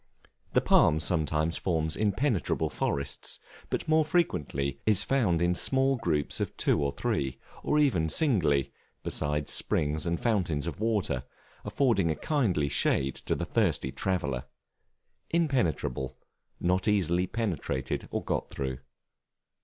The Palm sometimes forms impenetrable forests; but more frequently is found in small groups of two or three, or even singly, beside springs and fountains of water, affording a kindly shade to the thirsty traveller. Impenetrable, not easily penetrated or got through.